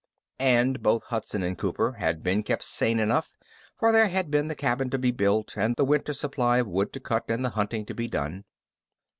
And both Hudson and Cooper had been kept sane enough, for there had been the cabin to be built and the winter's supply of wood to cut and the hunting to be done.